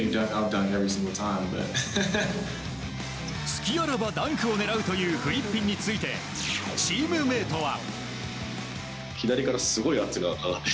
隙あらばダンクを狙うというフリッピンについてチームメートは。